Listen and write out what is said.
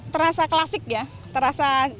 terasa klasik ya terasa